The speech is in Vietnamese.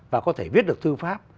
và có thể viết được thư pháp